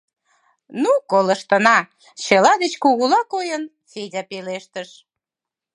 — Ну, колыштына, — чыла деч кугула койын, Федя пелештыш.